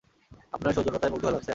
আপনার সৌজন্যতায় মুগ্ধ হলাম, স্যার।